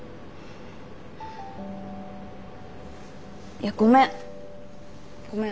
いやごめんごめん。